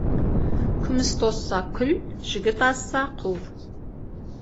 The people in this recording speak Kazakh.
Күміс тозса, күл, жігіт азса, құл.